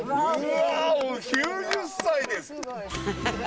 うわもう９０歳です。